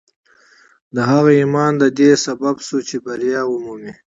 د هغه ایمان د دې لامل شو چې بریا ومومي